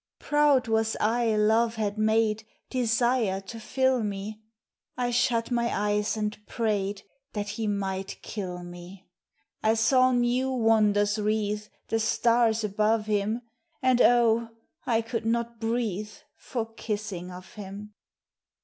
Proud was I love had made Desire to fill me, I shut my eyes and prayed That he might kill me. 135 THE LASS THAT DIED OF LOVE I saw new wonders wreathe The stars above him, And oh, I could not breathe For kissing of him.